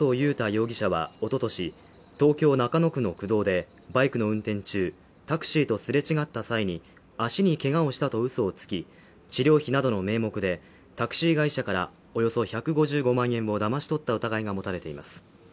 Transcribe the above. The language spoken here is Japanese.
容疑者はおととし東京・中野区の区道でバイクの運転中、タクシーとすれ違った際に足にけがをしたとうそをつき治療費などの名目でタクシー会社からおよそ１５５万円をだまし取った疑いが持たれています。